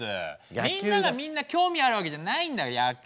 みんながみんな興味あるわけじゃないんだ野球は。